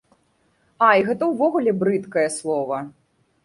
Ай, гэта ўвогуле брыдкае слова.